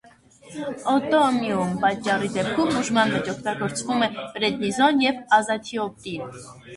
Աուտոիմուն պատճառի դեպքում բուժման մեջ օգտագործվում է պրեդնիզոն և ազաթիոպրին։